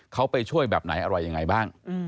เขาไปช่วยแบบไหนอะไรยังไงบ้าง